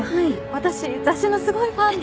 私雑誌のすごいファンで。